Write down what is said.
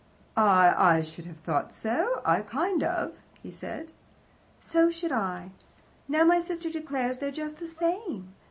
"I I should have thought so, kind of," he said. "So should I. Now, my sister declares they're just the same.